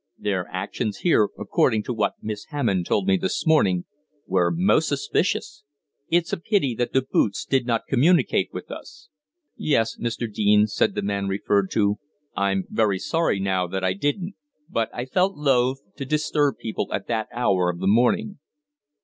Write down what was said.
"Their actions here, according to what Miss Hammond told me this morning, were most suspicious. It's a pity that the boots did not communicate with us." "Yes, Mr. Deane," said the man referred to, "I'm very sorry now that I didn't. But I felt loath to disturb people at that hour of the morning."